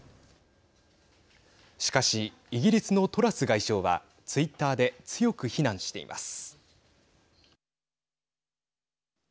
しかし、イギリスのトラス外相はツイッターで強く非難しています。